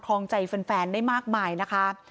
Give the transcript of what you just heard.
รองใจแฟนได้มากมายนะคะ